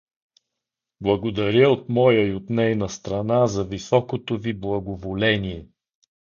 — Благодаря от моя и от нейна страна за високото ви благоволение.